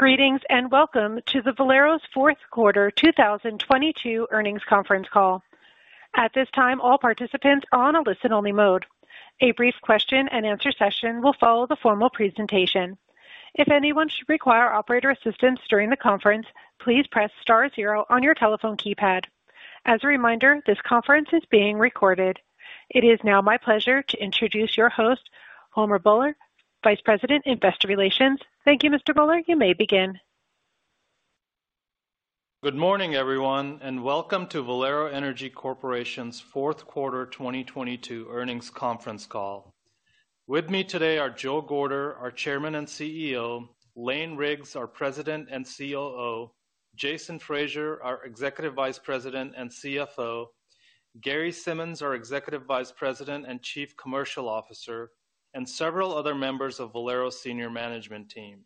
Greetings, welcome to the Valero's fourth quarter 2022 earnings conference call. At this time, all participants are on a listen-only mode. A brief question and answer session will follow the formal presentation. If anyone should require operator assistance during the conference, please press star zero on your telephone keypad. As a reminder, this conference is being recorded. It is now my pleasure to introduce your host, Homer Bhullar, Vice President, Investor Relations. Thank you, Mr. Bhullar. You may begin. Good morning, everyone, and welcome to Valero Energy Corporation's 4th quarter 2022 earnings conference call. With me today are Joe Gorder, our Chairman and CEO; Lane Riggs, our President and COO; Jason Fraser, our Executive Vice President and CFO; Gary Simmons, our Executive Vice President and Chief Commercial Officer, and several other members of Valero's senior management team.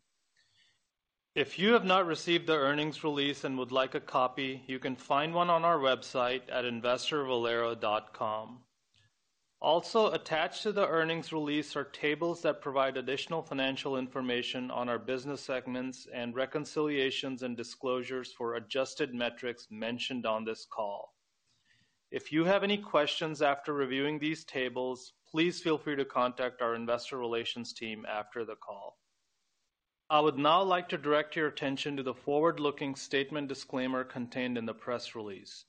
If you have not received the earnings release and would like a copy, you can find one on our website at investorvalero.com. Also, attached to the earnings release are tables that provide additional financial information on our business segments and reconciliations and disclosures for adjusted metrics mentioned on this call. If you have any questions after reviewing these tables, please feel free to contact our investor relations team after the call. I would now like to direct your attention to the forward-looking statement disclaimer contained in the press release.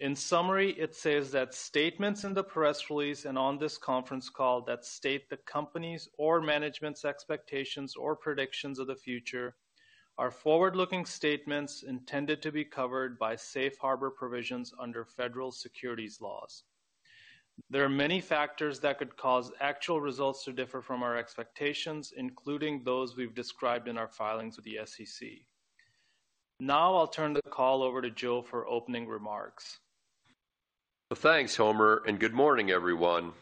In summary, it says that statements in the press release and on this conference call that state the company's or management's expectations or predictions of the future are forward-looking statements intended to be covered by safe harbor provisions under federal securities laws. There are many factors that could cause actual results to differ from our expectations, including those we've described in our filings with the SEC. Now, I'll turn the call over to Joe for opening remarks. Thanks, Homer, and good morning, everyone.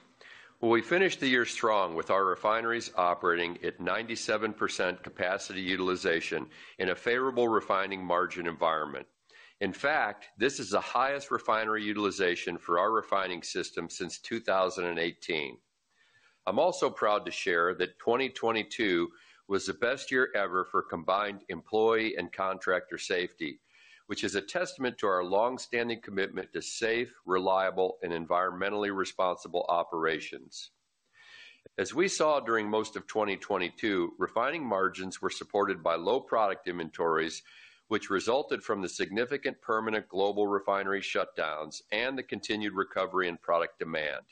We finished the year strong with our refineries operating at 97% capacity utilization in a favorable refining margin environment. In fact, this is the highest refinery utilization for our refining system since 2018. I'm also proud to share that 2022 was the best year ever for combined employee and contractor safety, which is a testament to our long-standing commitment to safe, reliable, and environmentally responsible operations. As we saw during most of 2022, refining margins were supported by low product inventories, which resulted from the significant permanent global refinery shutdowns and the continued recovery in product demand.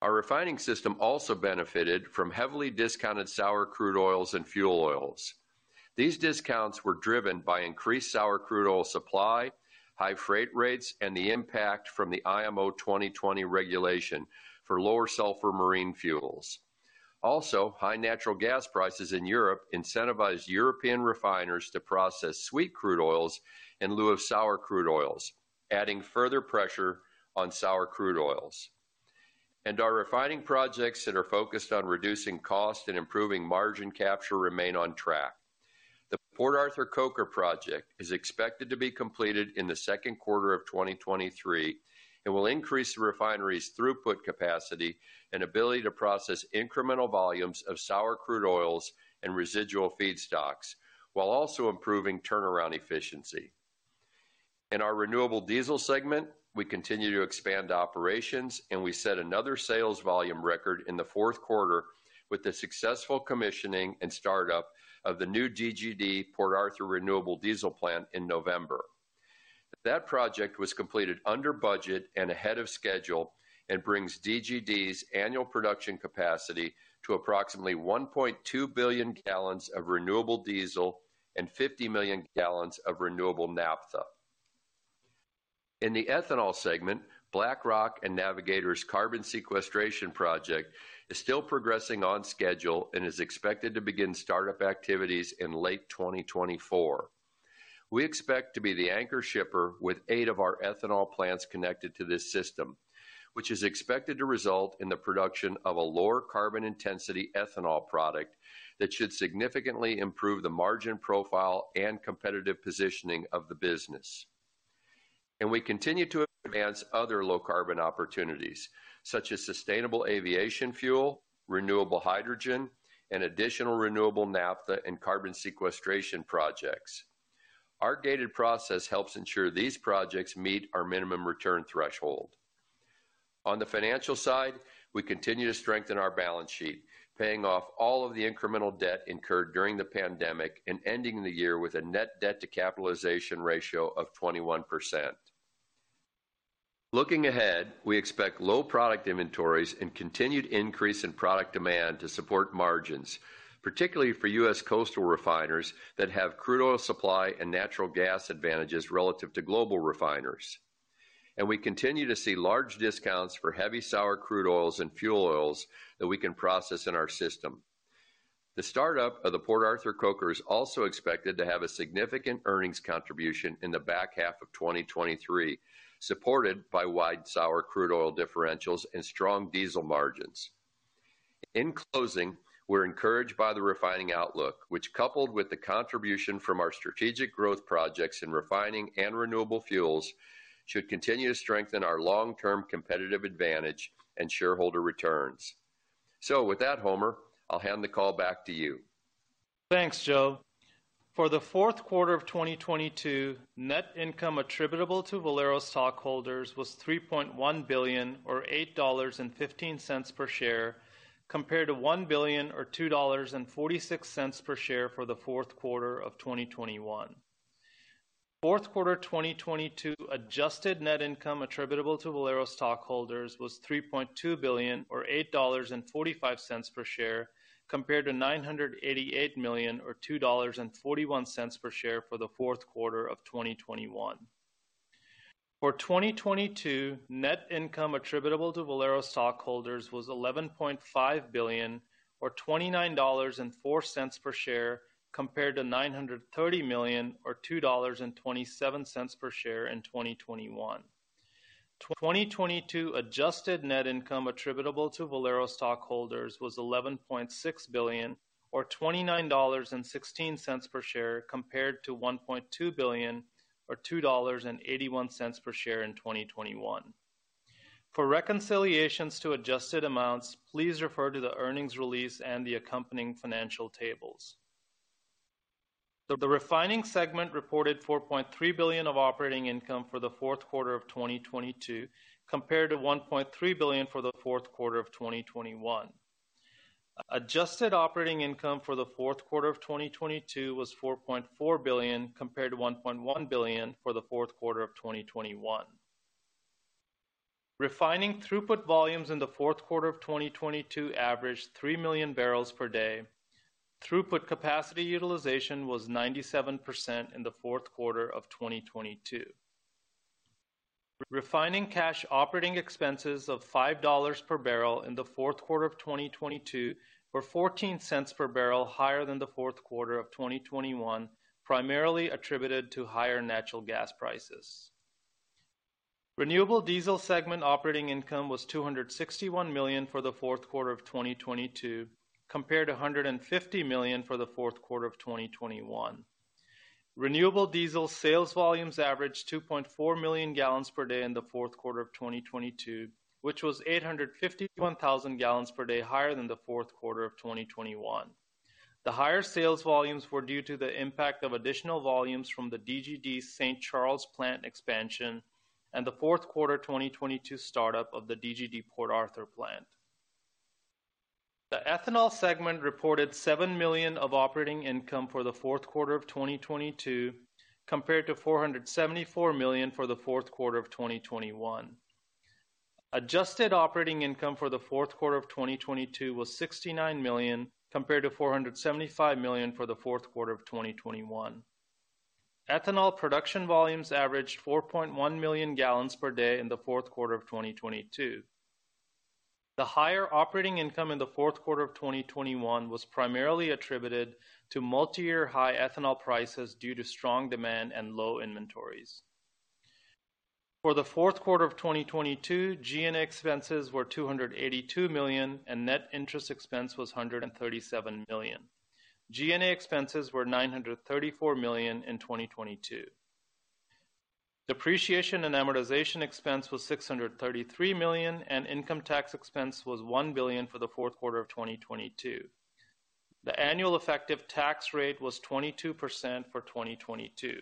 Our refining system also benefited from heavily discounted sour crude oils and fuel oils. These discounts were driven by increased sour crude oil supply, high freight rates, and the impact from the IMO 2020 regulation for lower sulfur marine fuels. High natural gas prices in Europe incentivized European refiners to process sweet crude oils in lieu of sour crude oils, adding further pressure on sour crude oils. Our refining projects that are focused on reducing cost and improving margin capture remain on track. The Port Arthur Coker project is expected to be completed in the second quarter of 2023 and will increase the refinery's throughput capacity and ability to process incremental volumes of sour crude oils and residual feedstocks while also improving turnaround efficiency. In our renewable diesel segment, we continue to expand operations, we set another sales volume record in the fourth quarter with the successful commissioning and startup of the new DGD Port Arthur Renewable Diesel Plant in November. That project was completed under budget and ahead of schedule and brings DGD's annual production capacity to approximately 1.2 billion gallons of renewable diesel and 50 million gallons of renewable naphtha. In the ethanol segment, BlackRock and Navigator's carbon sequestration project is still progressing on schedule and is expected to begin startup activities in late 2024. We expect to be the anchor shipper with 8 of our ethanol plants connected to this system, which is expected to result in the production of a lower carbon intensity ethanol product that should significantly improve the margin profile and competitive positioning of the business. We continue to advance other low carbon opportunities, such as Sustainable Aviation Fuel, Renewable Hydrogen, and additional renewable naphtha and carbon sequestration projects. Our gated process helps ensure these projects meet our minimum return threshold. On the financial side, we continue to strengthen our balance sheet, paying off all of the incremental debt incurred during the COVID-19 and ending the year with a net debt to capitalization ratio of 21%. Looking ahead, we expect low product inventories and continued increase in product demand to support margins, particularly for U.S. coastal refiners that have crude oil supply and natural gas advantages relative to global refiners. We continue to see large discounts for heavy sour crude oils and fuel oils that we can process in our system. The startup of the Port Arthur Coker is also expected to have a significant earnings contribution in the back half of 2023, supported by wide sour crude oil differentials and strong diesel margins. In closing, we're encouraged by the refining outlook, which, coupled with the contribution from our strategic growth projects in refining and renewable fuels, should continue to strengthen our long-term competitive advantage and shareholder returns. With that, Homer, I'll hand the call back to you. Thanks, Joe. For the fourth quarter of 2022, net income attributable to Valero stockholders was $3.1 billion or $8.15 per share, compared to $1 billion or $2.46 per share for the fourth quarter of 2021. Fourth quarter 2022 adjusted net income attributable to Valero stockholders was $3.2 billion or $8.45 per share, compared to $988 million or $2.41 per share for the fourth quarter of 2021. For 2022, net income attributable to Valero stockholders was $11.5 billion or $29.04 per share, compared to $930 million or $2.27 per share in 2021. 2022 adjusted net income attributable to Valero stockholders was $11.6 billion or $29.16 per share, compared to $1.2 billion or $2.81 per share in 2021. For reconciliations to adjusted amounts, please refer to the earnings release and the accompanying financial tables. The refining segment reported $4.3 billion of operating income for the fourth quarter of 2022, compared to $1.3 billion for the fourth quarter of 2021. Adjusted operating income for the fourth quarter of 2022 was $4.4 billion compared to $1.1 billion for the fourth quarter of 2021. Refining throughput volumes in the fourth quarter of 2022 averaged 3 million barrels per day. Throughput capacity utilization was 97% in the fourth quarter of 2022. Refining cash operating expenses of $5 per barrel in the fourth quarter of 2022 were $0.14 per barrel higher than the fourth quarter of 2021, primarily attributed to higher natural gas prices. Renewable diesel segment operating income was $261 million for the fourth quarter of 2022 compared to $150 million for the fourth quarter of 2021. Renewable diesel sales volumes averaged 2.4 million gallons per day in the fourth quarter of 2022, which was 851,000 gallons per day higher than the fourth quarter of 2021. The higher sales volumes were due to the impact of additional volumes from the DGD's St. Charles plant expansion and the fourth quarter of 2022 startup of the DGD Port Arthur plant. The ethanol segment reported $7 million of operating income for the fourth quarter of 2022 compared to $474 million for the fourth quarter of 2021. Adjusted operating income for the fourth quarter of 2022 was $69 million compared to $475 million for the fourth quarter of 2021. Ethanol production volumes averaged 4.1 million gallons per day in the fourth quarter of 2022. The higher operating income in the fourth quarter of 2021 was primarily attributed to multiyear high ethanol prices due to strong demand and low inventories. For the fourth quarter of 2022, G&A expenses were $282 million, and net interest expense was $137 million. G&A expenses were $934 million in 2022. Depreciation and amortization expense was $633 million, and income tax expense was $1 billion for the fourth quarter of 2022. The annual effective tax rate was 22% for 2022.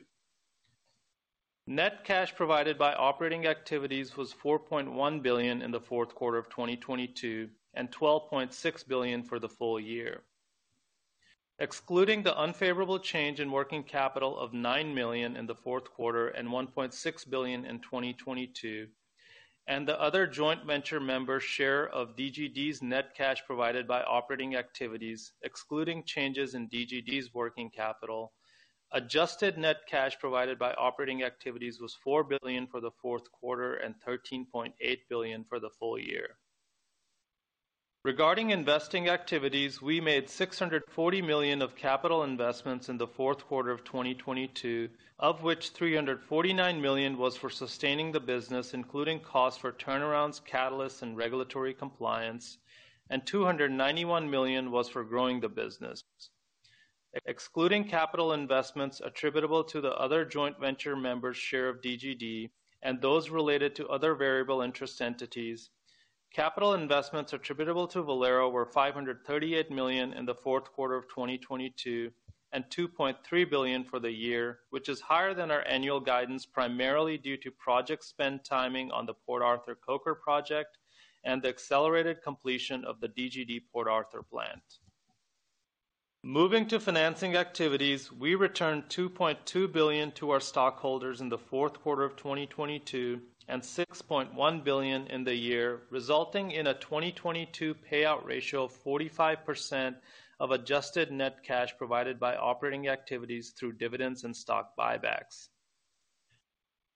Net cash provided by operating activities was $4.1 billion in the fourth quarter of 2022, and $12.6 billion for the full year. Excluding the unfavorable change in working capital of $9 million in the fourth quarter and $1.6 billion in 2022, and the other joint venture member's share of DGD's net cash provided by operating activities, excluding changes in DGD's working capital, adjusted net cash provided by operating activities was $4 billion for the fourth quarter and $13.8 billion for the full year. Regarding investing activities, we made $640 million of capital investments in the fourth quarter of 2022, of which $349 million was for sustaining the business, including costs for turnarounds, catalysts, and regulatory compliance, and $291 million was for growing the business. Excluding capital investments attributable to the other joint venture members' share of DGD and those related to other variable interest entities, capital investments attributable to Valero were $538 million in the fourth quarter of 2022 and $2.3 billion for the year, which is higher than our annual guidance, primarily due to project spend timing on the Port Arthur Coker project and the accelerated completion of the DGD Port Arthur plant. Moving to financing activities, we returned $2.2 billion to our stockholders in the fourth quarter of 2022 and $6.1 billion in the year, resulting in a 2022 payout ratio of 45% of adjusted net cash provided by operating activities through dividends and stock buybacks.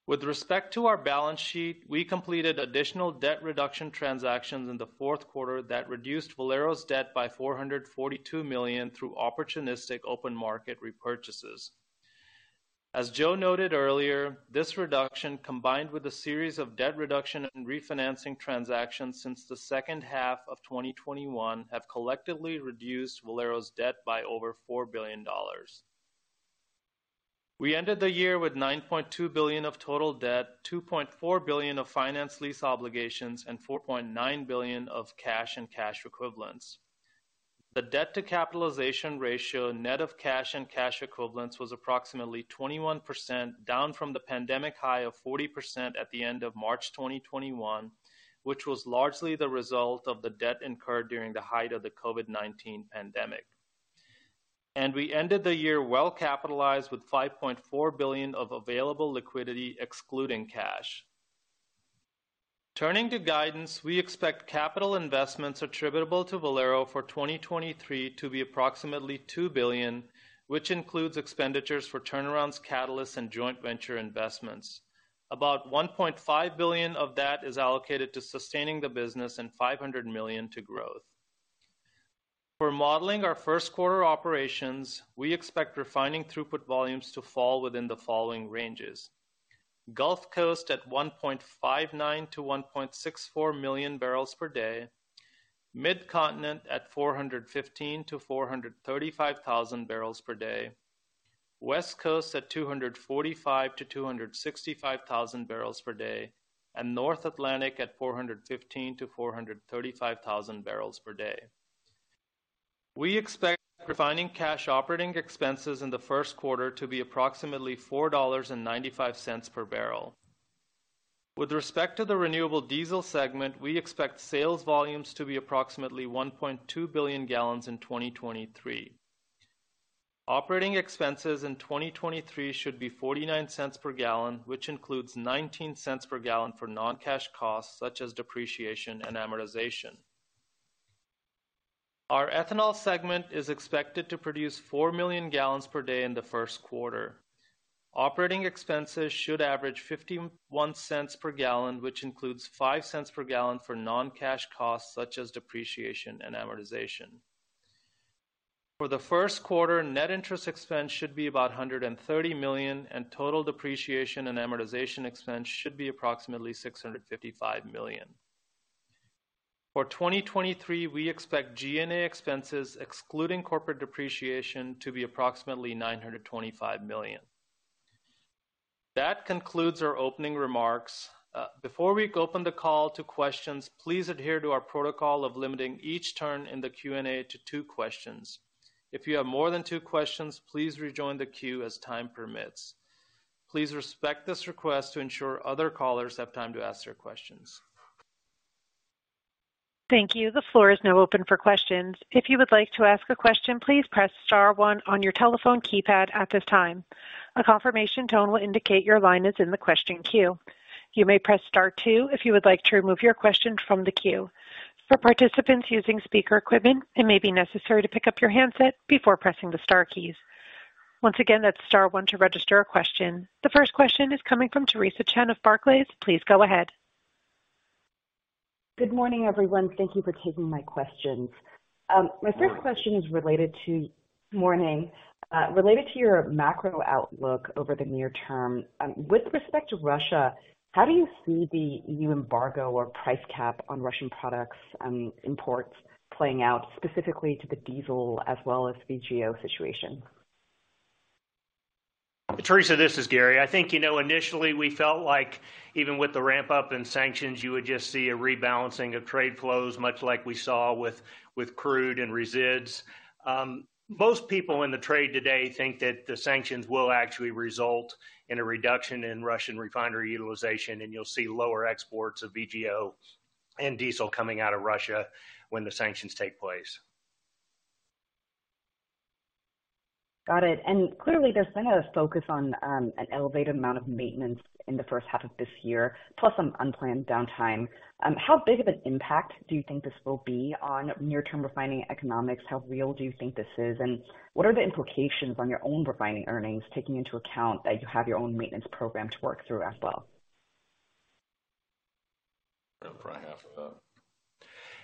With respect to our balance sheet, we completed additional debt reduction transactions in the fourth quarter that reduced Valero's debt by $442 million through opportunistic open market repurchases. As Joe noted earlier, this reduction, combined with a series of debt reduction and refinancing transactions since the second half of 2021, have collectively reduced Valero's debt by over $4 billion. We ended the year with $9.2 billion of total debt, $2.4 billion of finance lease obligations, and $4.9 billion of cash and cash equivalents. The debt to capitalization ratio, net of cash and cash equivalents, was approximately 21%, down from the pandemic high of 40% at the end of March 2021, which was largely the result of the debt incurred during the height of the COVID-19 pandemic. We ended the year well-capitalized with $5.4 billion of available liquidity excluding cash. Turning to guidance, we expect capital investments attributable to Valero for 2023 to be approximately $2 billion, which includes expenditures for turnarounds, catalysts, and joint venture investments. About $1.5 billion of that is allocated to sustaining the business and $500 million to growth. For modeling our first quarter operations, we expect refining throughput volumes to fall within the following ranges. Gulf Coast at 1.59 million barrels per day-1.64 million barrels per day. Mid-Continent at 415,000-435,000 barrels per day. West Coast at 245,000-265,000 barrels per day. North Atlantic at 415,000-435,000 barrels per day. We expect refining cash operating expenses in the first quarter to be approximately $4.95 per barrel. With respect to the renewable diesel segment, we expect sales volumes to be approximately 1.2 billion gallons in 2023. Operating expenses in 2023 should be $0.49 per gallon, which includes $0.19 per gallon for non-cash costs such as depreciation and amortization. Our ethanol segment is expected to produce 4 million gallons per day in the first quarter. Operating expenses should average $0.51 per gallon, which includes $0.05 per gallon for non-cash costs such as depreciation and amortization. For the first quarter, net interest expense should be about $130 million. Total depreciation and amortization expense should be approximately $655 million. For 2023, we expect G&A expenses, excluding corporate depreciation, to be approximately $925 million. That concludes our opening remarks. Before we open the call to questions, please adhere to our protocol of limiting each turn in the Q&A to two questions. If you have more than two questions, please rejoin the queue as time permits. Please respect this request to ensure other callers have time to ask their questions. Thank you. The floor is now open for questions. If you would like to ask a question, please press star one on your telephone keypad at this time. A confirmation tone will indicate your line is in the question queue. You may press star two if you would like to remove your question from the queue. For participants using speaker equipment, it may be necessary to pick up your handset before pressing the star keys. Once again, that's star one to register a question. The first question is coming from Theresa Chen of Barclays. Please go ahead. Good morning, everyone. Thank you for taking my questions. My first question is related to your macro outlook over the near term. With respect to Russia, how do you see the EU embargo or price cap on Russian products and imports playing out specifically to the diesel as well as VGO situation? Theresa, this is Gary. I think, you know, initially we felt like even with the ramp-up in sanctions, you would just see a rebalancing of trade flows, much like we saw with crude and resids. Most people in the trade today think that the sanctions will actually result in a reduction in Russian refinery utilization, and you'll see lower exports of VGO and diesel coming out of Russia when the sanctions take place. Got it. Clearly, there's been a focus on an elevated amount of maintenance in the first half of this year, plus some unplanned downtime. How big of an impact do you think this will be on near-term refining economics? How real do you think this is? What are the implications on your own refining earnings, taking into account that you have your own maintenance program to work through as well? I'll probably have that.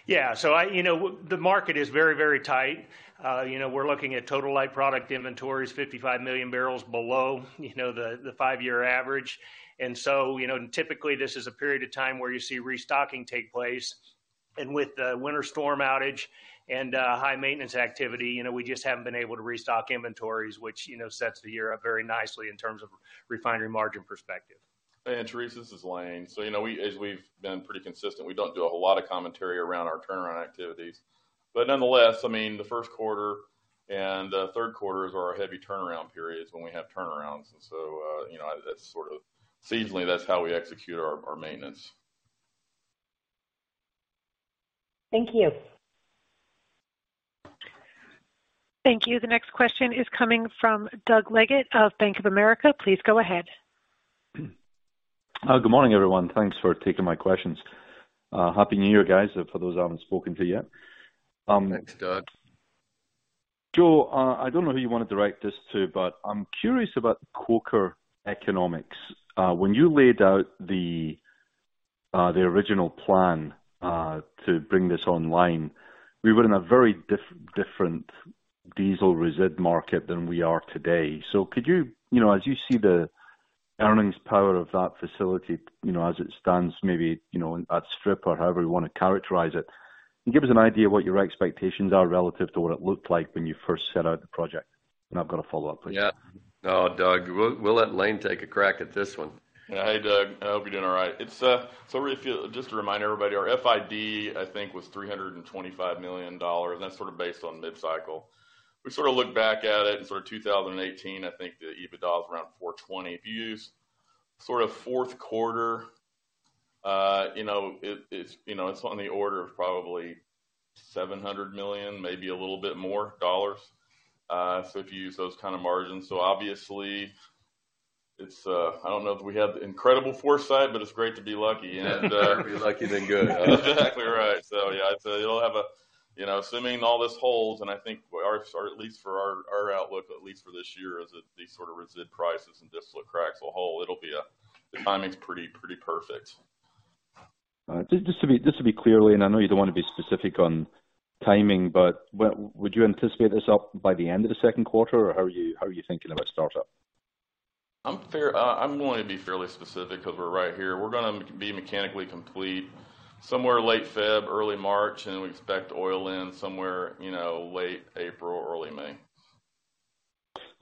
Yeah. The market is very, very tight. You know, we're looking at total light product inventories 55 million barrels below, you know, the five-year average. Typically this is a period of time where you see restocking take place. With the winter storm outage and high maintenance activity, you know, we just haven't been able to restock inventories, which, you know, sets the year up very nicely in terms of refinery margin perspective. Theresa, this is Lane. You know, as we've been pretty consistent, we don't do a lot of commentary around our turnaround activities. Nonetheless, I mean, the first quarter and third quarter is our heavy turnaround periods when we have turnarounds. You know, that's sort of, seasonally, that's how we execute our maintenance. Thank you. Thank you. The next question is coming from Doug Leggate of Bank of America. Please go ahead. Good morning, everyone. Thanks for taking my questions. Happy New Year, guys, for those I haven't spoken to yet. Thanks, Doug. Joe, I don't know who you want to direct this to, but I'm curious about the Coker economics. When you laid out the original plan to bring this online, we were in a very different diesel resid market than we are today. Could you know, as you see the Earnings power of that facility, you know, as it stands, maybe, you know, at strip or however you wanna characterize it. Can you give us an idea of what your expectations are relative to what it looked like when you first set out the project? I've got a follow-up question. Yeah. Doug, we'll let Lane take a crack at this one. Yeah. Hey, Doug. I hope you're doing all right. It's just to remind everybody, our FID, I think, was $325 million. That's sort of based on mid-cycle. We sort of look back at it in sort of 2018, I think the EBITDA was around $420. If you use sort of fourth quarter, you know, it's, you know, it's on the order of probably $700 million, maybe a little bit more, dollars. If you use those kind of margins. Obviously, it's, I don't know if we have incredible foresight, but it's great to be lucky. Better to be lucky than good. Exactly right. Yeah. It'll have a, you know, assuming all this holds, and I think our outlook, at least for this year is that these sort of resid prices and distillate cracks will hold. It'll be a. The timing's pretty perfect. Just to be clear, Lane, I know you don't wanna be specific on timing, but when would you anticipate this up by the end of the second quarter, or how are you thinking about startup? I'm going to be fairly specific 'cause we're right here. We're gonna be mechanically complete somewhere late Feb, early March. We expect oil in somewhere, you know, late April or early May.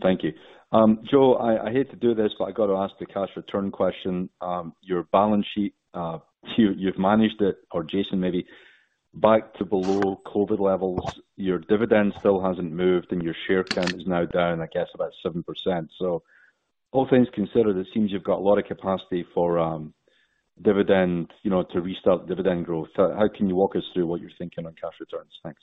Thank you. Joe, I hate to do this, but I got to ask the cash return question. Your balance sheet, you've managed it, or Jason maybe, back to below COVID levels. Your dividend still hasn't moved, and your share count is now down, I guess, about 7%. All things considered, it seems you've got a lot of capacity for, dividend, you know, to restart dividend growth. How can you walk us through what you're thinking on cash returns? Thanks.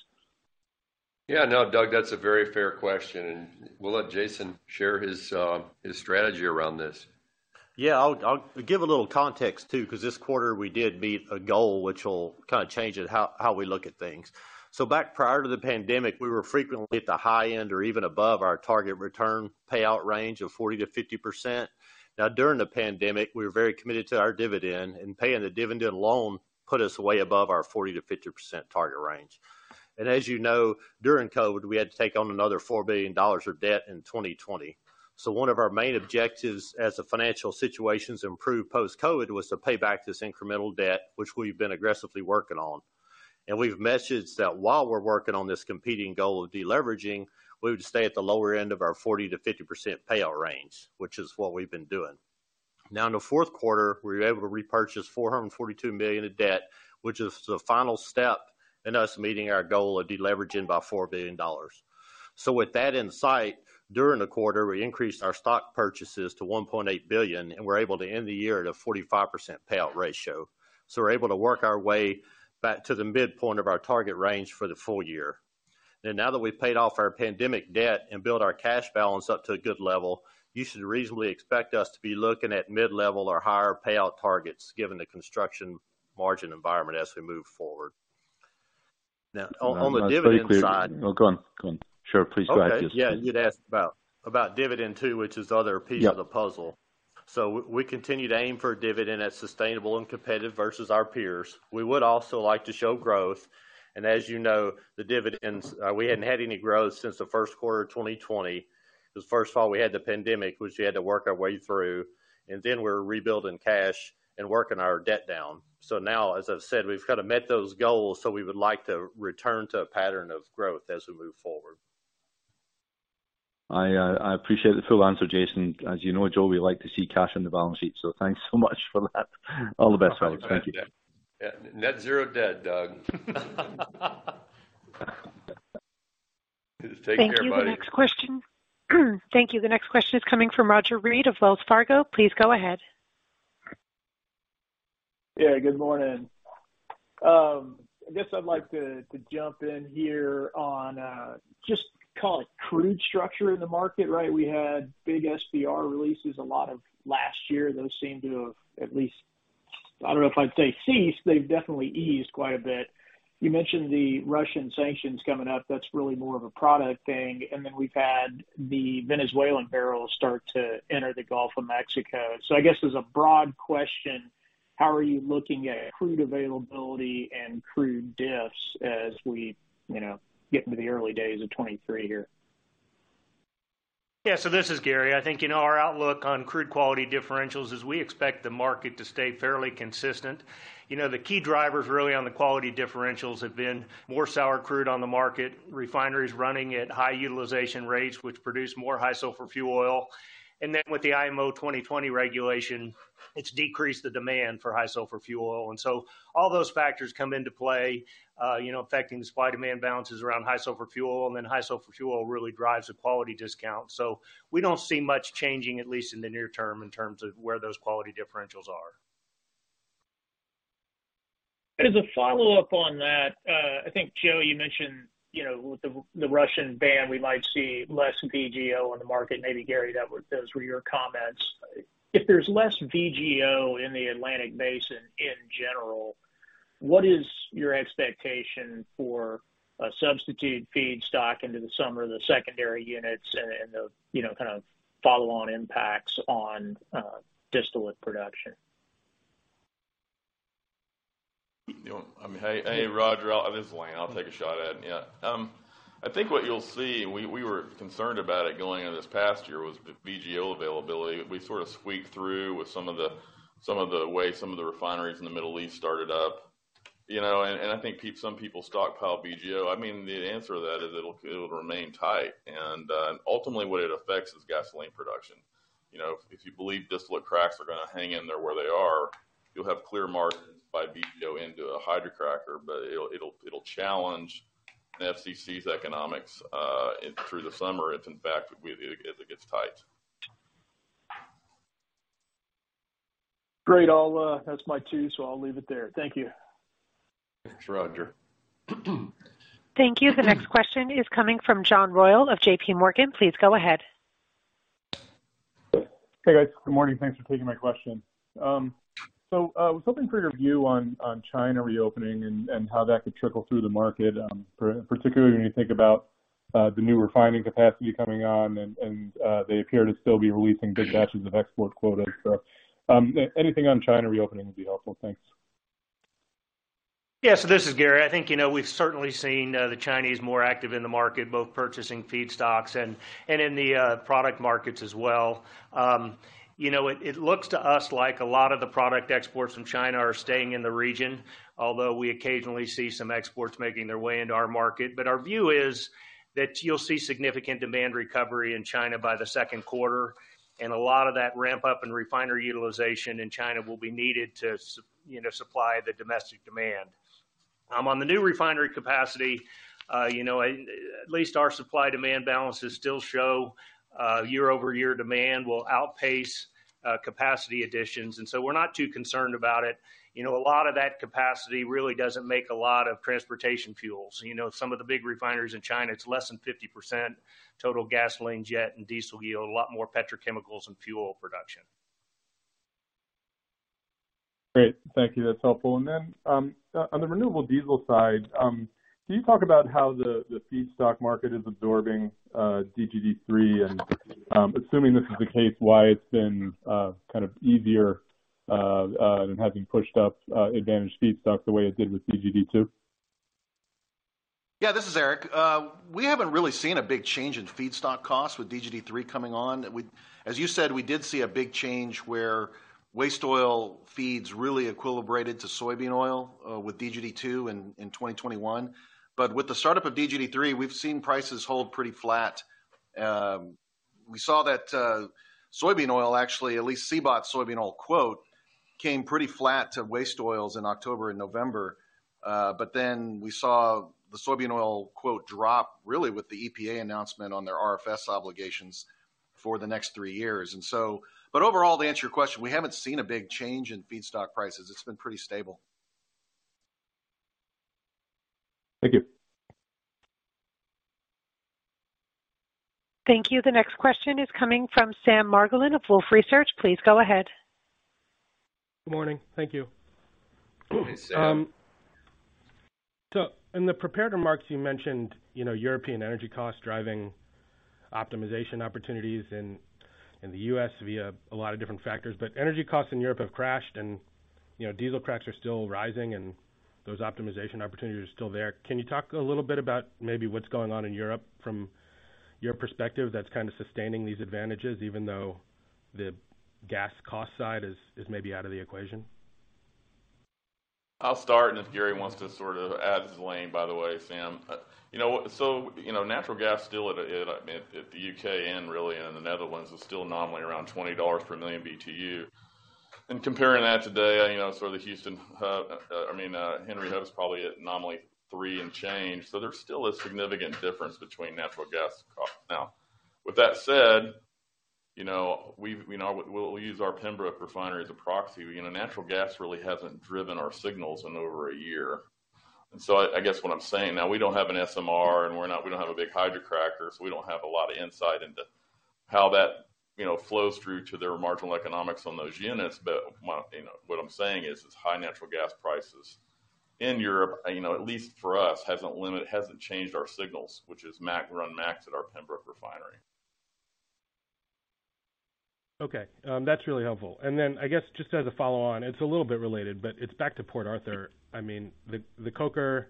Doug, that's a very fair question, and we'll let Jason share his strategy around this. Yeah. I'll give a little context too 'cause this quarter we did meet a goal which will kinda change how we look at things. Back prior to the pandemic, we were frequently at the high end or even above our target return payout range of 40%-50%. During the pandemic, we were very committed to our dividend, paying the dividend alone put us way above our 40%-50% target range. As you know, during COVID, we had to take on another $4 billion of debt in 2020. One of our main objectives as the financial situations improved post-COVID was to pay back this incremental debt, which we've been aggressively working on. We've messaged that while we're working on this competing goal of deleveraging, we would stay at the lower end of our 40%-50% payout range, which is what we've been doing. In the fourth quarter, we were able to repurchase $442 million of debt, which is the final step in us meeting our goal of deleveraging by $4 billion. With that in sight, during the quarter, we increased our stock purchases to $1.8 billion, and we're able to end the year at a 45% payout ratio. We're able to work our way back to the midpoint of our target range for the full year. Now that we've paid off our pandemic debt and built our cash balance up to a good level, you should reasonably expect us to be looking at mid-level or higher payout targets given the construction margin environment as we move forward. Now on the dividend side- That's very clear. Go on. Go on. Please go ahead, Jason. Okay. Yeah. You'd asked about dividend too, which is the other piece. Yeah... of the puzzle. We continue to aim for a dividend that's sustainable and competitive versus our peers. We would also like to show growth. As you know, the dividends, we hadn't had any growth since the first quarter of 2020. 'Cause first of all, we had the pandemic, which we had to work our way through, and then we were rebuilding cash and working our debt down. Now, as I've said, we've kind of met those goals, so we would like to return to a pattern of growth as we move forward. I appreciate the full answer, Jason. As you know, Joe, we like to see cash on the balance sheet. Thanks so much for that. All the best, folks. Thank you. Yeah. Net zero debt, Doug. Take care, buddy. Thank you. The next question is coming from Roger Read of Wells Fargo. Please go ahead. Yeah, good morning. I guess I'd like to jump in here on just call it crude structure in the market, right? We had big SPR releases a lot of last year. Those seem to have at least, I don't know if I'd say ceased, they've definitely eased quite a bit. You mentioned the Russian sanctions coming up. That's really more of a product thing. Then we've had the Venezuelan barrels start to enter the Gulf of Mexico. I guess as a broad question, how are you looking at crude availability and crude diffs as we, you know, get into the early days of 23 here? Yeah. This is Gary. I think, you know, our outlook on crude quality differentials is we expect the market to stay fairly consistent. You know, the key drivers really on the quality differentials have been more sour crude on the market, refineries running at high utilization rates, which produce more high sulfur fuel oil. With the IMO 2020 regulation, it's decreased the demand for high sulfur fuel oil. All those factors come into play, you know, affecting the supply-demand balances around high sulfur fuel, and then high sulfur fuel really drives the quality discount. We don't see much changing, at least in the near term, in terms of where those quality differentials are. As a follow-up on that, I think, Joe, you mentioned, you know, with the Russian ban, we might see less VGO on the market. Maybe, Gary, those were your comments. If there's less VGO in the Atlantic Basin in general, what is your expectation for a substitute feedstock into the summer, the secondary units and the, and the, you know, kind of follow-on impacts on distillate production? You know, I mean, hey, Roger. This is Lane. I'll take a shot at it. Yeah. I think what you'll see, we were concerned about it going into this past year, was VGO availability. We sort of squeaked through with some of the way some of the refineries in the Middle East started up. You know, I think some people stockpile VGO. I mean, the answer to that is it'll remain tight. Ultimately, what it affects is gasoline production. You know, if you believe distillate cracks are gonna hang in there where they are, you'll have clear margins by VGO into a hydrocracker. It'll challenge FCC's economics through the summer if in fact, we, it gets tight. Great. I'll. That's my 2, so I'll leave it there. Thank you. Thanks, Roger. Thank you. The next question is coming from John Royall of J.P. Morgan. Please go ahead. Hey, guys. Good morning. Thanks for taking my question. was hoping for your view on China reopening and how that could trickle through the market, particularly when you think about the new refining capacity coming on and they appear to still be releasing big batches of export quotas. Anything on China reopening would be helpful. Thanks. Yeah. This is Gary. I think, you know, we've certainly seen the Chinese more active in the market, both purchasing feedstocks and in the product markets as well. You know, it looks to us like a lot of the product exports from China are staying in the region, although we occasionally see some exports making their way into our market. Our view is that you'll see significant demand recovery in China by the second quarter, a lot of that ramp up in refinery utilization in China will be needed to, you know, supply the domestic demand. On the new refinery capacity, you know, at least our supply-demand balances still show year-over-year demand will outpace capacity additions, we're not too concerned about it. You know, a lot of that capacity really doesn't make a lot of transportation fuels. You know, some of the big refineries in China, it's less than 50% total gasoline, jet, and diesel yield. A lot more petrochemicals and fuel production. Great. Thank you. That's helpful. On the renewable diesel side, can you talk about how the feedstock market is absorbing DGD 3 and, assuming this is the case, why it's been kind of easier than having pushed up advantage feedstock the way it did with DGD 2? Yeah, this is Gary. We haven't really seen a big change in feedstock costs with DGD 3 coming on. As you said, we did see a big change where waste oil feeds really equilibrated to soybean oil with DGD 2 in 2021. With the startup of DGD 3, we've seen prices hold pretty flat. We saw that soybean oil actually, at least CBOT's soybean oil quote, came pretty flat to waste oils in October and November. We saw the soybean oil quote drop really with the EPA announcement on their RFS obligations for the next 3 years. Overall, to answer your question, we haven't seen a big change in feedstock prices. It's been pretty stable. Thank you. Thank you. The next question is coming from Sam Margolin of Wolfe Research. Please go ahead. Good morning. Thank you. Hey, Sam. In the prepared remarks you mentioned, you know, European energy costs driving optimization opportunities in the U.S. v ia a lot of different factors. Energy costs in Europe have crashed and, you know, diesel cracks are still rising and those optimization opportunities are still there. Can you talk a little bit about maybe what's going on in Europe from your perspective that's kind of sustaining these advantages, even though the gas cost side is maybe out of the equation? I'll start, if Gary wants to sort of add his lane, by the way, Sam. You know, natural gas still at, I mean, at the U.K. and really in the Netherlands is still nominally around $20 per million BTU. Comparing that today, you know, sort of the Houston Hub, I mean, Henry Hub is probably at nominally $3 and change. There's still a significant difference between natural gas costs now. With that said, you know, we'll use our Pembroke Refinery as a proxy. You know, natural gas really hasn't driven our signals in over a year. I guess what I'm saying, now we don't have an SMR and we don't have a big hydrocracker, so we don't have a lot of insight into how that, you know, flows through to their marginal economics on those units. You know, what I'm saying is high natural gas prices in Europe, you know, at least for us, hasn't changed our signals, which is max run max at our Pembroke Refinery. Okay. That's really helpful. I guess just as a follow on, it's a little bit related, but it's back to Port Arthur. I mean, the coker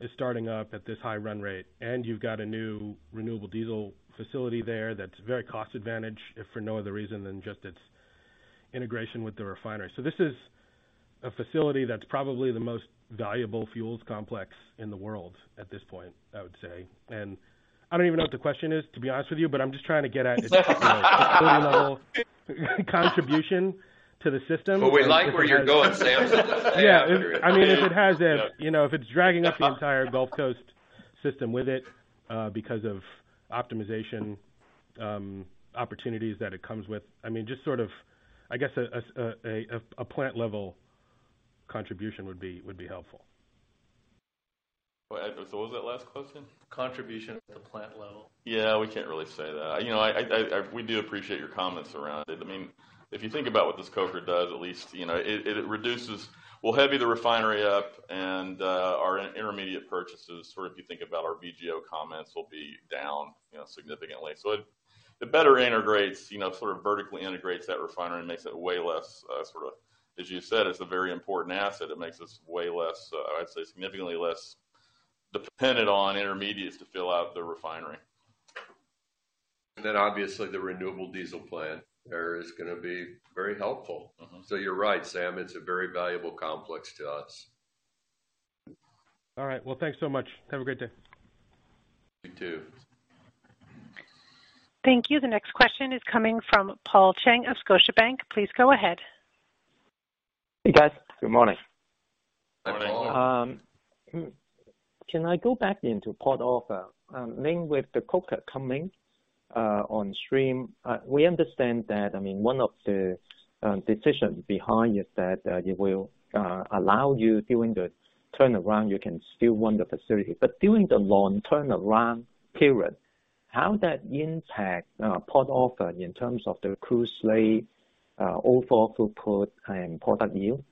is starting up at this high run rate, and you've got a new renewable diesel facility there that's very cost advantage, if for no other reason than just its integration with the refinery. This is a facility that's probably the most valuable fuels complex in the world at this point, I would say. I don't even know what the question is, to be honest with you, but I'm just trying to get at the facility level contribution to the system. We like where you're going, Sam. Yeah. I mean, You know, if it's dragging up the entire Gulf Coast system with it, because of optimization, opportunities that it comes with. I mean, just sort of, I guess a plant level contribution would be helpful. What was that last question? Contribution at the plant level. We can't really say that. You know, we do appreciate your comments around it. I mean, if you think about what this coker does, at least, you know, we'll heavy the refinery up and, our intermediate purchases, or if you think about our VGO comments, will be down, you know, significantly. It better integrates, you know, sort of vertically integrates that refinery and makes it way less, sort of. As you said, it's a very important asset. It makes us way less, I'd say significantly less-Dependent on intermediates to fill out the refinery. Obviously the renewable diesel plant there is gonna be very helpful. Mm-hmm. You're right, Sam, it's a very valuable complex to us. All right. Well, thanks so much. Have a great day. You too. Thank you. The next question is coming from Paul Cheng of Scotiabank. Please go ahead. Hey, guys. Good morning. Good morning. Good morning. Can I go back into Port Arthur? Mainly with the Coker coming on stream. We understand that, I mean, one of the decisions behind it that it will allow you during the turnaround, you can still run the facility. During the long turnaround period, how that impact Port Arthur in terms of the crude slate, overall throughput and product yield?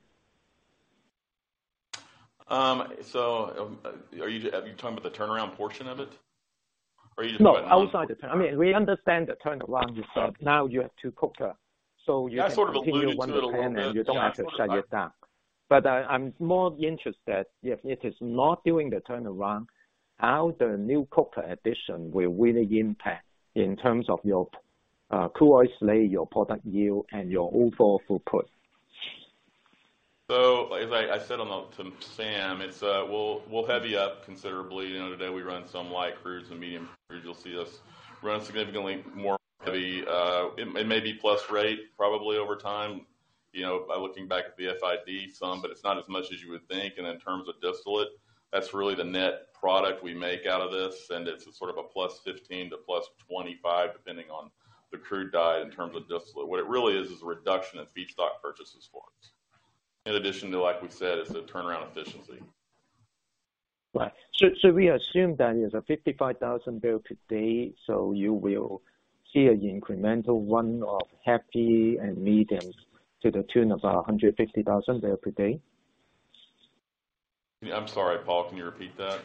Are you talking about the turnaround portion of it? Or are you just talking about... No, outside the turn. I mean, we understand the turnaround. Now you have two cokers, so you can- I sort of alluded to it a little bit. continue running the plant and you don't have to shut it down. I'm more interested if it is not during the turnaround, how the new coker addition will really impact in terms of your crude oil slate, your product yield, and your overall throughput. As I said to Sam, it's, we'll heavy up considerably. You know, today we run some light crudes and medium crudes. You'll see us run significantly more heavy. It may be plus rate probably over time, you know, by looking back at the FID some, but it's not as much as you would think. In terms of distillate, that's really the net product we make out of this, and it's a sort of a +15 to +25, depending on the crude diet in terms of distillate. What it really is a reduction in feedstock purchases for us. In addition to, like we said, is the turnaround efficiency. Right. We assume that is a 55,000 barrel per day, you will see an incremental run of heavy and mediums to the tune of 150,000 barrel per day? I'm sorry, Paul, can you repeat that?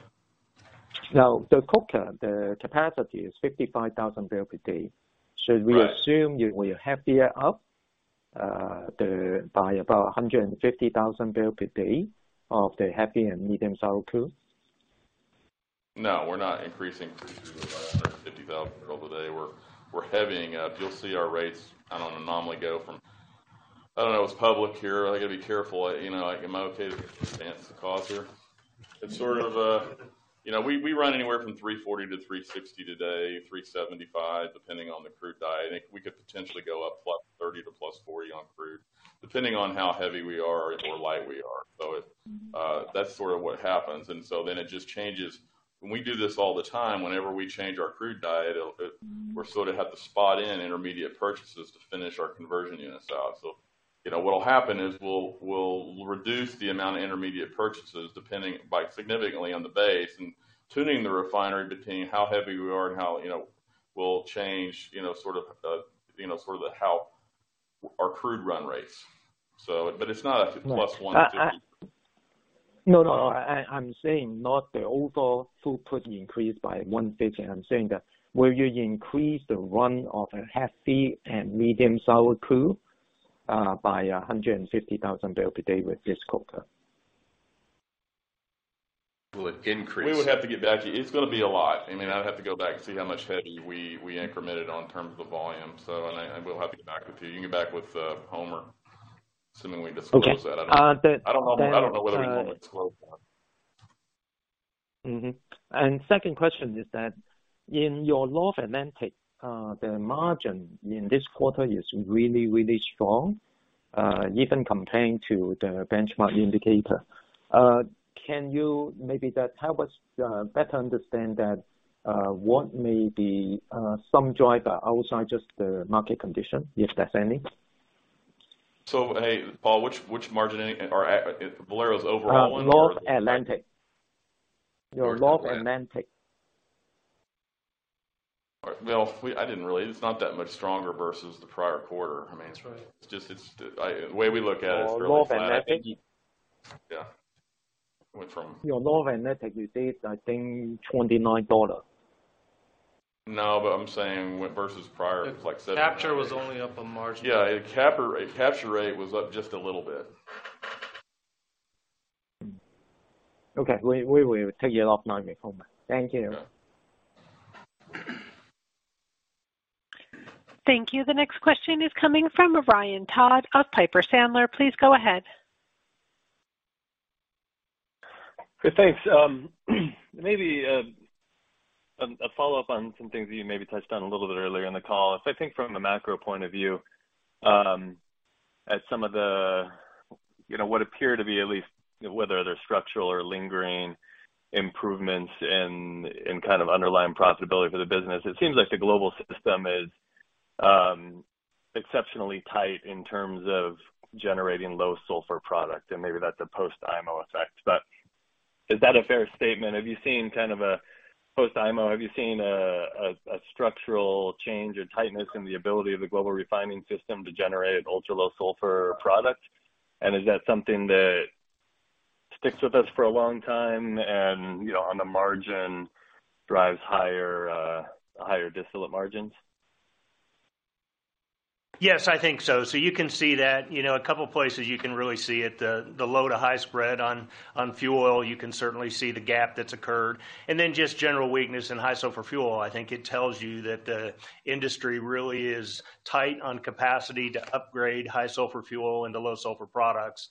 The coker, the capacity is 55,000 barrels per day. Right. Should we assume you will heavy it up by about 150,000 barrels per day of the heavy and medium sour crude? No, we're not increasing crudes by 150,000 barrel per day. We're heavying up. You'll see our rates, I don't know, normally go from. I don't know, it's public here. I gotta be careful. You know, am I okay to advance the cause here? It's sort of a. You know, we run anywhere from 340-360 today, 375, depending on the crude diet. I think we could potentially go up +30 to +40 on crude, depending on how heavy we are or light we are. it, that's sort of what happens. it just changes. When we do this all the time, whenever we change our crude diet, it'll. We sort of have to spot in intermediate purchases to finish our conversion units out. You know, what'll happen is we'll reduce the amount of intermediate purchases depending by significantly on the base, and tuning the refinery between how heavy we are and how, you know, we'll change, you know, sort of, you know, sort of the how our crude run rates. It's not a plus 150. No. I No. I'm saying not the overall throughput increase by 150. I'm saying that will you increase the run of a heavy and medium sour crude, by 150,000 barrel per day with this coker? Will it increase? We would have to get back to you. It's gonna be a lot. I mean, I would have to go back and see how much heavy we incremented on in terms of the volume. I will have to get back with you. You can get back with Homer, assuming we disclose that. I don't know. Okay. The I don't know, I don't know whether we want to disclose that. Second question is that in your North Atlantic, the margin in this quarter is really, really strong, even compared to the benchmark indicator. Can you maybe just help us better understand that, what may be some driver outside just the market condition, if there's any? Hey, Paul, which margin are Valero's overall one or the? North Atlantic. North Atlantic. Your North Atlantic. All right. Well, I didn't really. It's not that much stronger versus the prior quarter. I mean. That's right. It's just, the way we look at it is fairly flat. Your North Atlantic. Yeah. Your North Atlantic, you said, I think, $29. No, but I'm saying when versus prior, it's like 7-9- Capture was only up a margin. Yeah. Capture rate was up just a little bit. Okay. We will take it off line with Homer. Thank you. Thank you. The next question is coming from Ryan Todd of Piper Sandler. Please go ahead. Good. Thanks. Maybe a follow-up on some things that you maybe touched on a little bit earlier in the call. I think from the macro point of view, at some of the, you know, what appear to be at least whether they're structural or lingering improvements in kind of underlying profitability for the business. It seems like the global system is exceptionally tight in terms of generating low sulfur product, maybe that's a post IMO effect. Is that a fair statement? Have you seen kind of a post IMO, have you seen a structural change or tightness in the ability of the global refining system to generate ultra-low sulfur product? Is that something that sticks with us for a long time and, you know, on the margin drives higher distillate margins? Yes, I think so. You can see that. You know, a couple places you can really see it, the low to high spread on fuel oil, you can certainly see the gap that's occurred, and then just general weakness in high sulfur fuel. I think it tells you that the industry really is tight on capacity to upgrade high sulfur fuel into low sulfur products.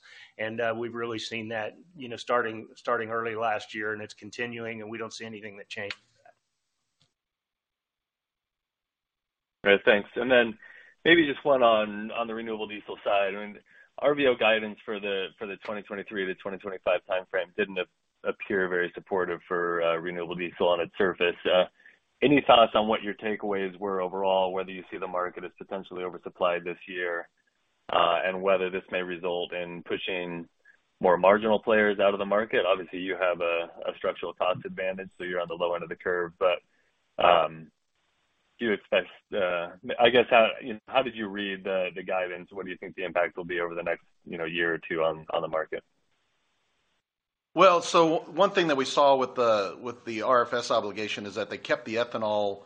We've really seen that, you know, starting early last year, and it's continuing and we don't see anything that changes that. Right. Thanks. Then maybe just one on the renewable diesel side. I mean, RVO guidance for the 2023 to 2025 timeframe didn't appear very supportive for renewable diesel on its surface. Any thoughts on what your takeaways were overall, whether you see the market as potentially oversupplied this year, and whether this may result in pushing more marginal players out of the market? Obviously, you have a structural cost advantage, so you're on the low end of the curve. Do you expect I guess how, you know, how did you read the guidance? What do you think the impact will be over the next, you know, year or two on the market? One thing that we saw with the RFS obligation is that they kept the ethanol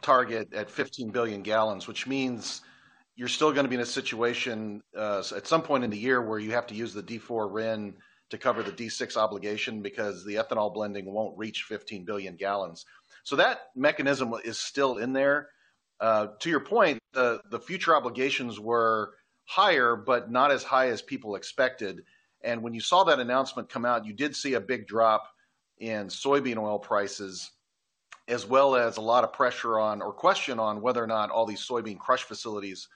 target at 15 billion gallons, which means you're still gonna be in a situation at some point in the year where you have to use the D4 RIN to cover the D6 obligation because the ethanol blending won't reach 15 billion gallons. That mechanism is still in there. To your point, the future obligations were higher, but not as high as people expected. When you saw that announcement come out, you did see a big drop in soybean oil prices, as well as a lot of pressure on or question on whether or not all these soybean crush facilities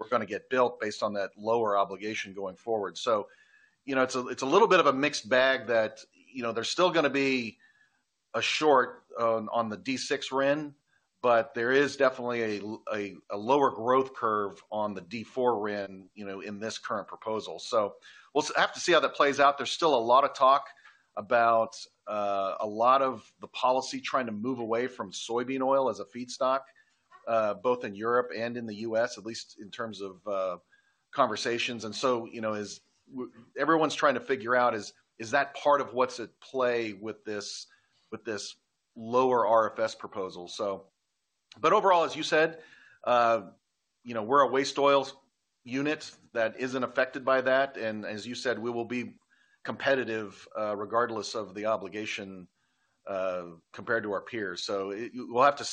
were gonna get built based on that lower obligation going forward. You know, it's a little bit of a mixed bag that, you know, there's still gonna be a short on the D6 RIN, there is definitely a lower growth curve on the D4 RIN, you know, in this current proposal. We'll have to see how that plays out. There's still a lot of talk about a lot of the policy trying to move away from soybean oil as a feedstock, both in Europe and in the U.S., at least in terms of conversations. You know, everyone's trying to figure out is that part of what's at play with this lower RFS proposal. Overall, as you said, you know, we're a waste oils unit that isn't affected by that. As you said, we will be competitive, regardless of the obligation, compared to our peers. We'll just have to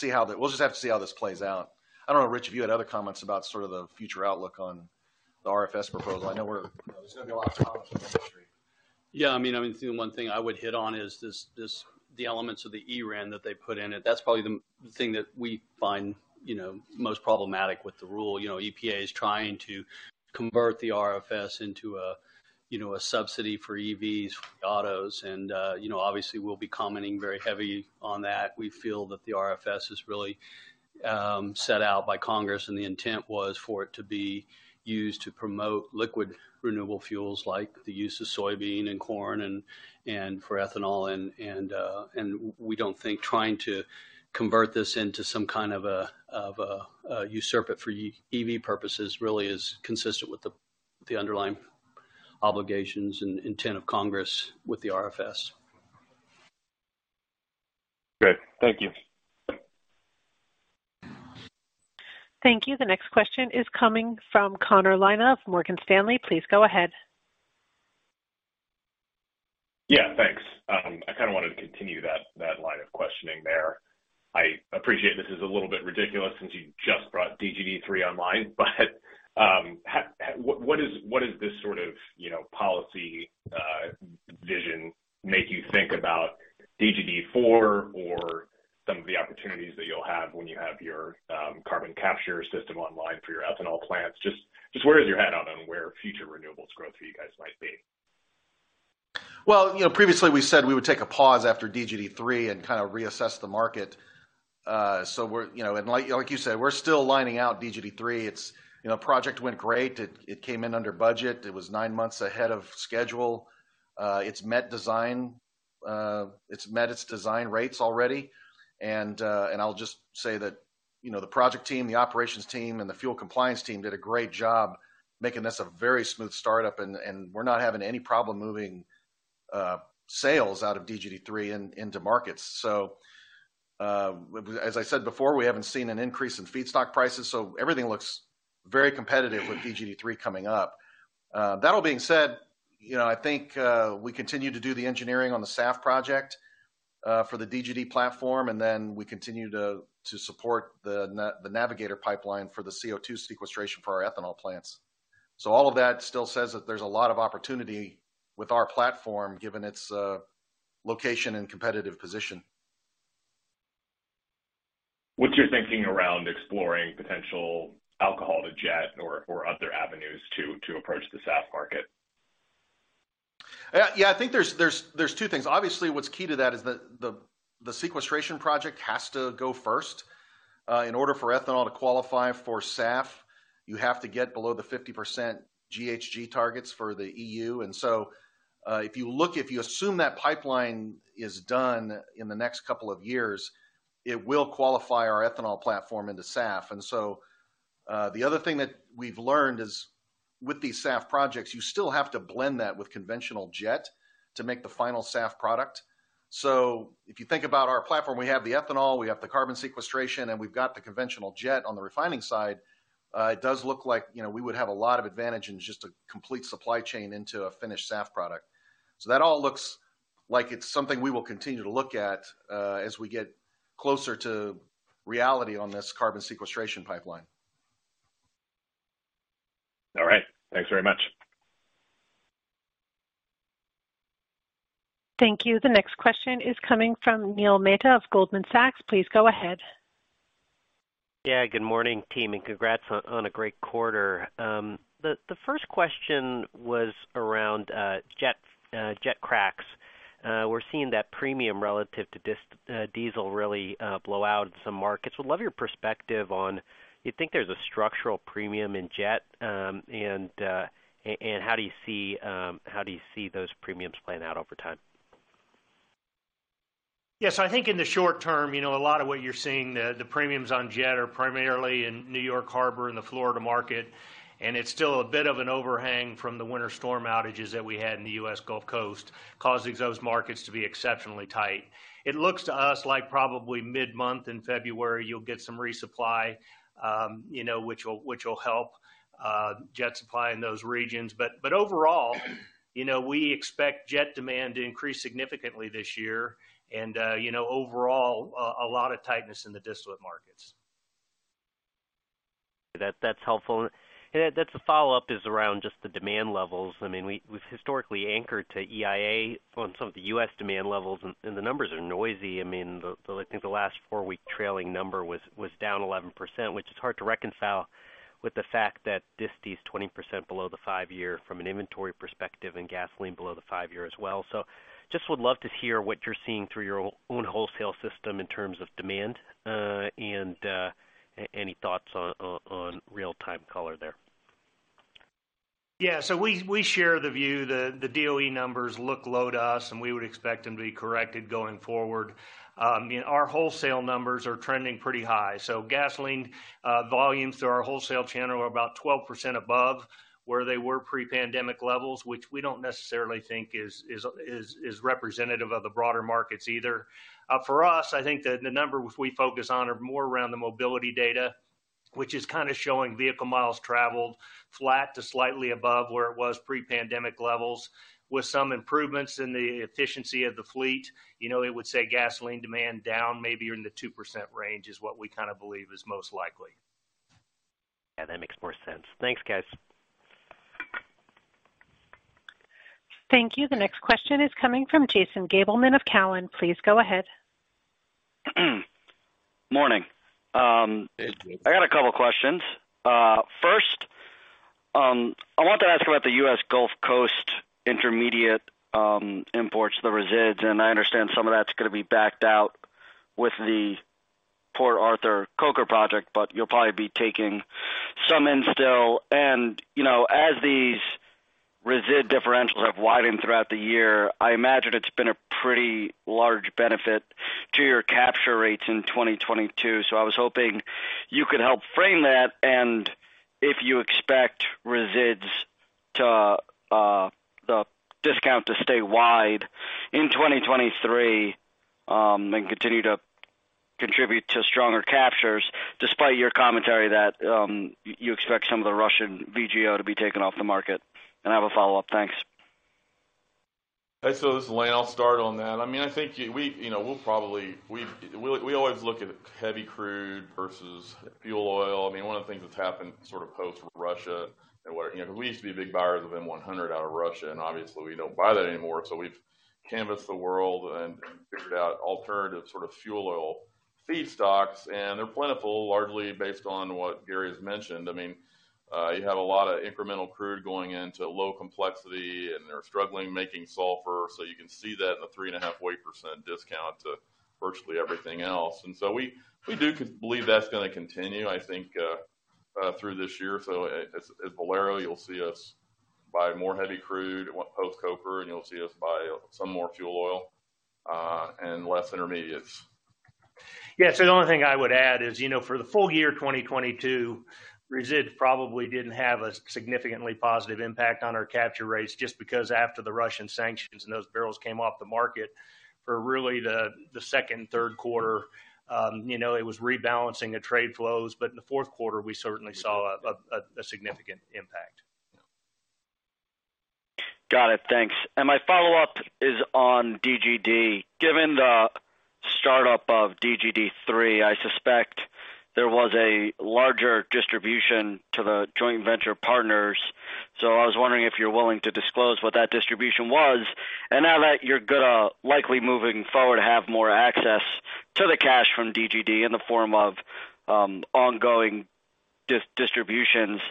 see how this plays out. I don't know, Rich Lashway, if you had other comments about sort of the future outlook on the RFS proposal. I know there's gonna be a lot of problems in the industry. Yeah, I mean, the one thing I would hit on is this the elements of the eRIN that they put in it. That's probably the thing that we find, you know, most problematic with the rule. EPA is trying to convert the RFS into a, you know, a subsidy for EVs, for autos. Obviously, we'll be commenting very heavy on that. We feel that the RFS is really set out by Congress, and the intent was for it to be used to promote liquid renewable fuels like the use of soybean and corn and for ethanol. We don't think trying to convert this into some kind of a usurper for EV purposes really is consistent with the underlying obligations and intent of Congress with the RFS. Great. Thank you. Thank you. The next question is coming from Connor Lynagh of Morgan Stanley. Please go ahead. Yeah, thanks. I kind of wanted to continue that line of questioning there. I appreciate this is a little bit ridiculous since you just brought DGD 3 online. What is this sort of, you know, policy vision make you think about DGD 4 or some of the opportunities that you'll have when you have your carbon capture system online for your ethanol plants? Just where is your head on where future renewables growth for you guys might be? Well, you know, previously we said we would take a pause after DGD 3 and kind of reassess the market. We're still lining out DGD 3. It's, you know, project went great. It came in under budget. It was 9 months ahead of schedule. It's met design. It's met its design rates already. I'll just say that, you know, the project team, the operations team, and the fuel compliance team did a great job making this a very smooth startup, and we're not having any problem moving sales out of DGD 3 into markets. As I said before, we haven't seen an increase in feedstock prices, everything looks very competitive with DGD 3 coming up. That all being said, you know, I think, we continue to do the engineering on the SAF project, for the DGD platform, and then we continue to support the Navigator pipeline for the CO₂ sequestration for our ethanol plants. All of that still says that there's a lot of opportunity with our platform, given its location and competitive position. What's your thinking around exploring potential Alcohol-to-Jet or other avenues to approach the SAF market? Yeah. I think there's two things. Obviously, what's key to that is the sequestration project has to go first. In order for ethanol to qualify for SAF, you have to get below the 50% GHG targets for the EU. If you assume that pipeline is done in the next couple of years, it will qualify our ethanol platform into SAF. The other thing that we've learned is With these SAF projects, you still have to blend that with conventional jet to make the final SAF product. If you think about our platform, we have the ethanol, we have the carbon sequestration, and we've got the conventional jet on the refining side, it does look like, you know, we would have a lot of advantage in just a complete supply chain into a finished SAF product. That all looks like it's something we will continue to look at, as we get closer to reality on this carbon sequestration pipeline. All right. Thanks very much. Thank you. The next question is coming from Neil Mehta of Goldman Sachs. Please go ahead. Good morning, team, and congrats on a great quarter. The first question was around jet cracks. We're seeing that premium relative to diesel really blow out some markets. Would love your perspective on: do you think there's a structural premium in jet? How do you see those premiums playing out over time? Yes. I think in the short term, you know, a lot of what you're seeing, the premiums on jet are primarily in New York Harbor and the Florida market. It's still a bit of an overhang from the winter storm outages that we had in the US Gulf Coast, causing those markets to be exceptionally tight. It looks to us like probably mid-month in February, you'll get some resupply, you know, which will help jet supply in those regions. Overall, you know, we expect jet demand to increase significantly this year, you know, overall, a lot of tightness in the distillate markets. That's helpful. Then just a follow-up is around just the demand levels. I mean, we've historically anchored to EIA on some of the U.S. demand levels, and the numbers are noisy. I mean, I think the last four-week trailing number was down 11%, which is hard to reconcile with the fact that disty is 20% below the five-year from an inventory perspective and gasoline below the five-year as well. Just would love to hear what you're seeing through your own wholesale system in terms of demand, and any thoughts on real-time color there. Yeah. We, we share the view. The DOE numbers look low to us, and we would expect them to be corrected going forward. Our wholesale numbers are trending pretty high. Gasoline volumes through our wholesale channel are about 12% above where they were pre-pandemic levels, which we don't necessarily think is representative of the broader markets either. For us, I think the number we focus on are more around the mobility data, which is kind of showing vehicle miles traveled flat to slightly above where it was pre-pandemic levels, with some improvements in the efficiency of the fleet. You know, it would say gasoline demand down maybe in the 2% range is what we kind of believe is most likely. Yeah, that makes more sense. Thanks, guys. Thank you. The next question is coming from Jason Gabelman of Cowen. Please go ahead. Morning. Hey, Jason. I got a couple of questions. First, I want to ask about the US Gulf Coast intermediate imports, the resids. I understand some of that's gonna be backed out with the Port Arthur Coker project, but you'll probably be taking some in still. You know, as these resid differentials have widened throughout the year, I imagine it's been a pretty large benefit to your capture rates in 2022. I was hoping you could help frame that and if you expect resids to the discount to stay wide in 2023 and continue to contribute to stronger captures, despite your commentary that you expect some of the Russian VGO to be taken off the market. I have a follow-up. Thanks. Hey. This is Lane. I'll start on that. I mean, I think we, you know, we'll probably We always look at heavy crude versus fuel oil. I mean, one of the things that's happened sort of post-Russia. You know, we used to be big buyers of M-100 out of Russia, and obviously we don't buy that anymore. We've canvassed the world and figured out alternative sort of fuel oil feedstocks, and they're plentiful, largely based on what Gary has mentioned. I mean, you have a lot of incremental crude going into low complexity, and they're struggling making sulfur. You can see that in a 3.5 weight % discount to virtually everything else. We do believe that's gonna continue, I think, through this year. As Valero, you'll see us buy more heavy crude post-Coker, and you'll see us buy some more fuel oil, and less intermediates. Yeah. The only thing I would add is, you know, for the full year 2022, resid probably didn't have a significantly positive impact on our capture rates just because after the Russian sanctions and those barrels came off the market for really the second, third quarter, you know, it was rebalancing the trade flows. In the fourth quarter, we certainly saw a significant impact. Got it. Thanks. My follow-up is on DGD. Given the startup of DGD 3, I suspect there was a larger distribution to the joint venture partners. I was wondering if you're willing to disclose what that distribution was. Now that you're gonna likely moving forward, have more access to the cash from DGD in the form of ongoing distributions,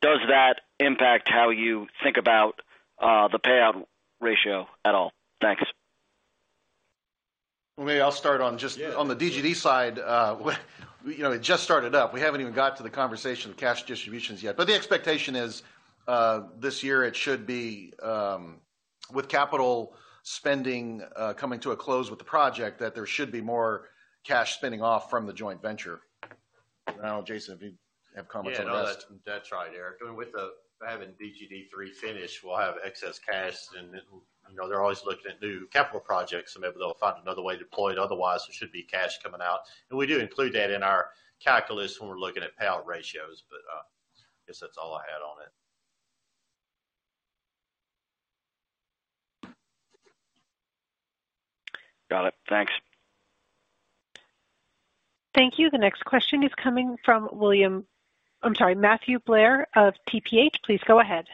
does that impact how you think about the payout ratio at all? Thanks. Well, maybe I'll start on. Yeah. On the DGD side. you know, it just started up. We haven't even got to the conversation of cash distributions yet. The expectation is, this year it should be, With capital spending coming to a close with the project that there should be more cash spinning off from the joint venture. I don't know, Jason, if you have comments on this. Yeah. No, that's right, Homer Bhullar. I mean, having DGD 3 finished, we'll have excess cash. You know, they're always looking at new capital projects, so maybe they'll find another way to deploy it. Otherwise, there should be cash coming out. We do include that in our calculus when we're looking at payout ratios. I guess that's all I had on it. Got it. Thanks. Thank you. The next question is coming from I'm sorry, Matthew Blair of TPH. Please go ahead.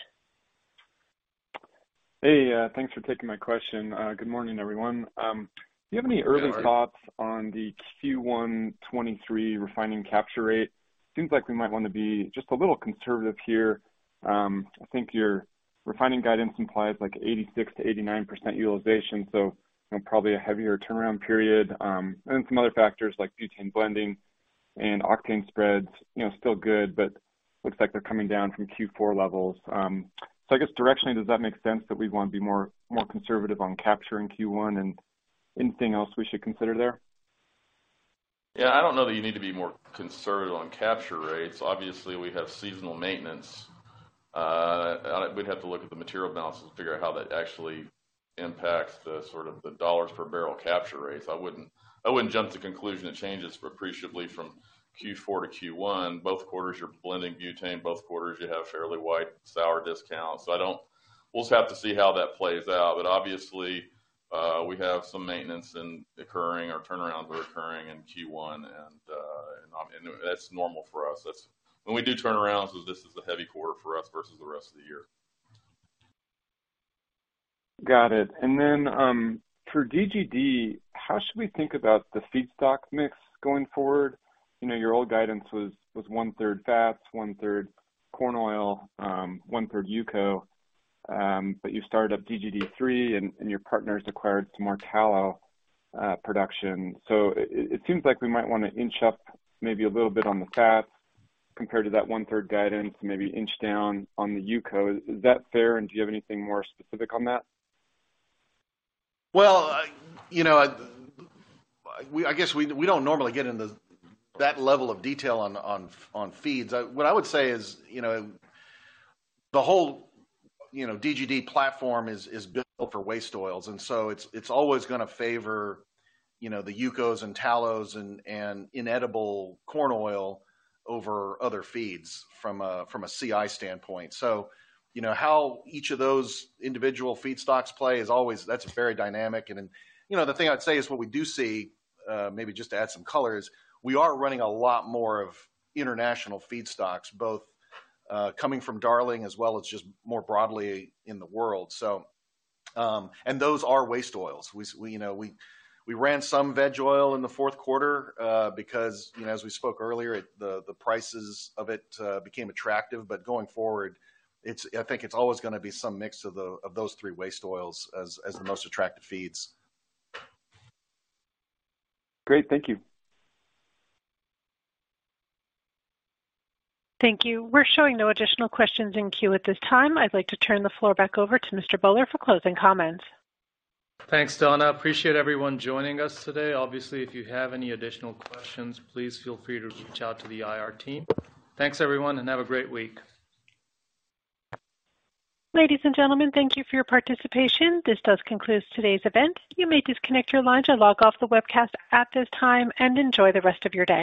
Hey. Thanks for taking my question. Good morning, everyone. Do you have any Good morning. thoughts on the Q1 2023 refining capture rate? Seems like we might wanna be just a little conservative here. I think your refining guidance implies like 86%-89% utilization, so, you know, probably a heavier turnaround period. Some other factors like butane blending and octane spreads. You know, still good, but looks like they're coming down from Q4 levels. I guess directionally, does that make sense that we'd wanna be more, more conservative on capture in Q1 and anything else we should consider there? Yeah, I don't know that you need to be more conservative on capture rates. Obviously, we have seasonal maintenance. We'd have to look at the material balances to figure out how that actually impacts the, sort of the dollars per barrel capture rates. I wouldn't jump to conclusion it changes appreciably from Q4 to Q1. Both quarters you're blending butane. Both quarters you have fairly wide sour discounts. We'll just have to see how that plays out. Obviously, we have some maintenance or turnarounds are occurring in Q1. I mean, that's normal for us. When we do turnarounds, this is the heavy quarter for us versus the rest of the year. Got it. Then, for DGD, how should we think about the feedstock mix going forward? You know, your old guidance was one-third fats, one-third corn oil, one-third UCO. You started up DGD 3 and your partners acquired some more tallow, production. It, it seems like we might wanna inch up maybe a little bit on the fats compared to that one-third guidance, maybe inch down on the UCO. Is that fair? Do you have anything more specific on that? Well, you know, I guess we don't normally get into that level of detail on feeds. What I would say is, you know, the whole, you know, DGD platform is built for waste oils, it's always gonna favor, you know, the UCOs and tallows and inedible corn oil over other feeds from a CI standpoint. You know, how each of those individual feedstocks play is always, that's very dynamic. You know, the thing I'd say is what we do see, maybe just to add some color, is we are running a lot more of international feedstocks, both coming from Darling as well as just more broadly in the world. Those are waste oils. We, you know, we ran some veg oil in the fourth quarter, because, you know, as we spoke earlier, the prices of it became attractive. Going forward, I think it's always gonna be some mix of those 3 waste oils as the most attractive feeds. Great. Thank you. Thank you. We're showing no additional questions in queue at this time. I'd like to turn the floor back over to Mr. Bhullar for closing comments. Thanks, Donna. I appreciate everyone joining us today. Obviously, if you have any additional questions, please feel free to reach out to the IR team. Thanks, everyone, and have a great week. Ladies and gentlemen, thank you for your participation. This does conclude today's event. You may disconnect your lines or log off the webcast at this time. Enjoy the rest of your day.